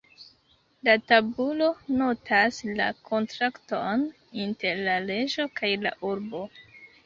La tabulo notas la kontrakton inter "la reĝo kaj la urbo".